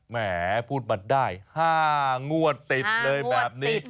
แหมพูดมาได้๕งวดติดเลยแบบนี้